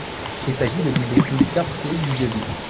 Il s'agit de l'une des rues du quartier du Vieux-Lille.